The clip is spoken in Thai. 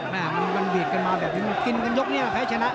แม่มันเบียดกันมาแบบนี้มันกินกันยกนี้มันแพ้ชนะ